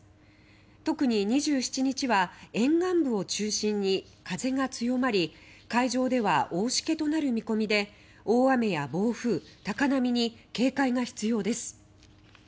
特に２７日は沿岸部を中心に風が強まり海上では大しけとなる見込みで大雨や暴風、高波に警戒が必要です。